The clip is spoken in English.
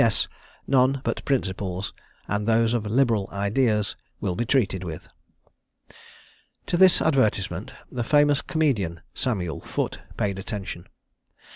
S. None but principals, and those of liberal ideas, will be treated with." To this advertisement the famous comedian, Samuel Foote, paid attention.